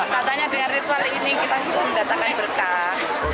katanya dengan ritual ini kita bisa mendatangkan berkah